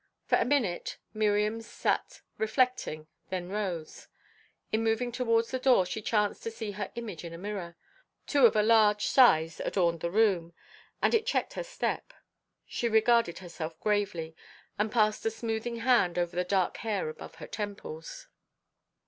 For a minute Miriam sat reflecting, then rose. In moving towards the door she chanced to see her image in a mirror two of a large size adorned the room and it checked her step; she regarded herself gravely, and passed a smoothing hand over the dark hair above her temples.